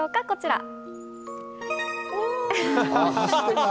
こちら！